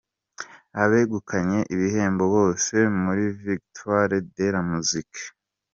Abegukanye ibihembo bose muri "Victoires de la Musique".